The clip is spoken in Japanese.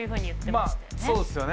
まあそうですよね。